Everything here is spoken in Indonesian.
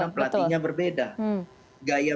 karena pelatihnya berbeda